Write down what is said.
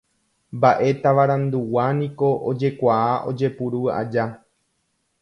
Mbaʼe tavarandugua niko ojekuaa ojepuru aja.